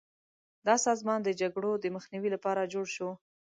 دا سازمان د جګړو د مخنیوي لپاره جوړ شو.